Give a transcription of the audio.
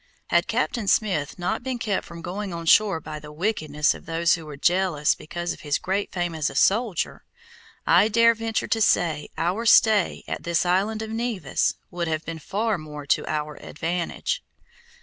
Had Captain Smith not been kept from going on shore by the wickedness of those who were jealous because of his great fame as a soldier, I dare venture to say our stay at this island of Nevis would have been far more to our advantage.